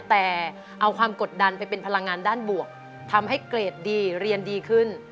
แต่เอาความกดดันไปเป็นพลังงานด้านบวกทำให้เกรดดีเรียนดีขึ้น